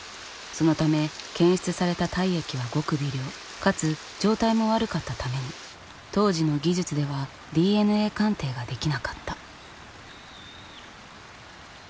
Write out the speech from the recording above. そのため検出された体液はごく微量かつ状態も悪かったために当時の技術ではＤＮＡ鑑定ができなかった。